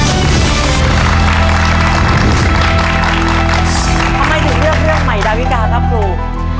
ทำไมถึงเลือกเรื่องใหม่ดาวิกาครับครู